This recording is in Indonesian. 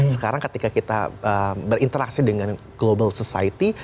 sekarang ketika kita berinteraksi dengan global society